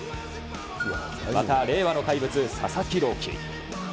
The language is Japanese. また令和の怪物、佐々木朗希。